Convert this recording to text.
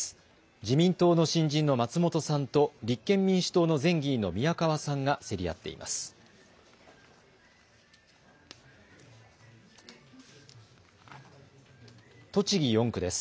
自民党の新人の松本さんと立憲民主党の前議員の宮川さんが競り合っています。